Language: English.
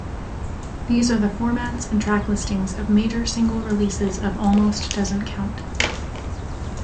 These are the formats and track listings of major single-releases of Almost Doesn't Count.